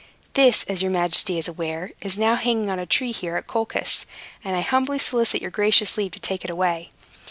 This, as your majesty is aware, is now hanging on a tree here at Colchis; and I humbly solicit your gracious leave to take it away."